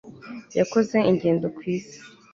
yakoze ingendo ku isi